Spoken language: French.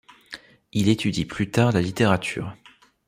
Il étudie plus tard la littérature.